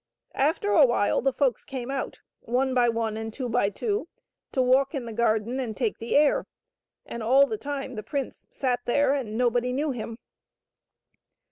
After a while the folks came out, one by one and two by two, to walk in the garden and take the air, and all the time the prince sat there and nobody knew him.